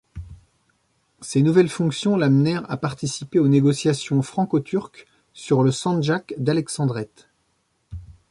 Ces nouvelles fonctions l'amenèrent à participer aux négociations franco-turques sur le Sandjak d'Alexandrette.